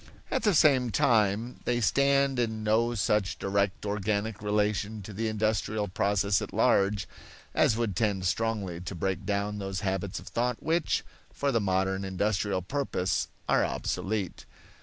At the same time they stand in no such direct organic relation to the industrial process at large as would tend strongly to break down those habits of thought which, for the modern industrial purpose, are obsolete.